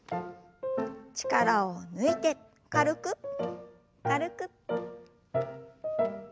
力を抜いて軽く軽く。